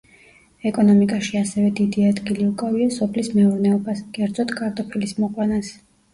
ეკონომიკაში ასევე დიდი ადგილი უკავია სოფლის მეურნეობას, კერძოდ კარტოფილის მოყვანას.